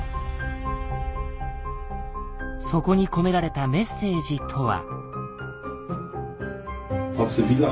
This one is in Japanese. そこに込められたメッセージとは？